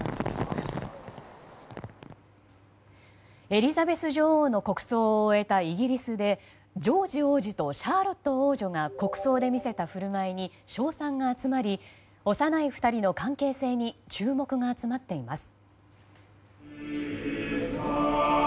エリザベス女王の国葬を終えたイギリスでジョージ王子とシャーロット王女が国葬で見せた振る舞いに称賛が集まり幼い２人の関係性に注目が集まっています。